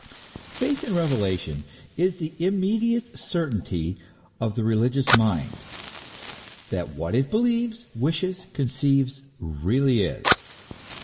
Faith in revelation is the immediate certainty of the religious mind, that what it believes, wishes, conceives, really is.